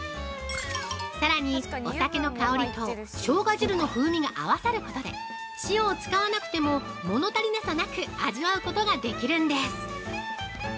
◆さらに、お酒の香りとしょうが汁の風味が合わさることで塩を使わなくてももの足りなさなく味わうことができるんです。